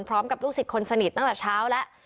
พร้อมกับลูกศิษย์คนสนิทตั้งแต่เช้าแล้ว